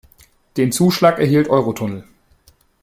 Den Zuschlag erhielt Eurotunnel.